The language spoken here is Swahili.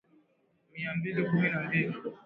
Mia mbili kumi na mbili